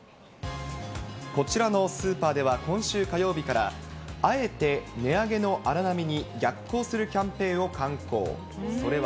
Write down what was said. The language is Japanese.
こちらのスーパーでは今週火曜日から、あえて値上げの荒波に逆行するキャンペーンを敢行。